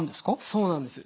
そうなんです。